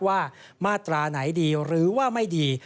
ว่ามาตราไหนดีหรือว่าไม่ดี